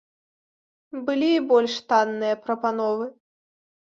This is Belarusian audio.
Былі і больш танныя прапановы.